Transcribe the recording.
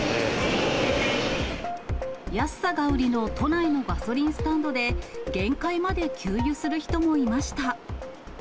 安さが売りの都内のガソリンスタンドで、限界まで給油する人もいました。